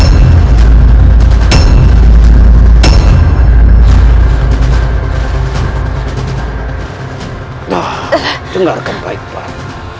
nah dengarkan baik baik